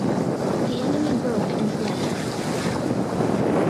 The enemy broke and fled.